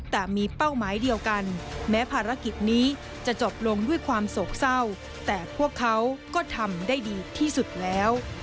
แต่มีเป้าหมายเดียวกันแม้ภารกิจนี้จะจบลงด้วยความโศกเศร้าแต่พวกเขาก็ทำได้ดีที่สุดแล้ว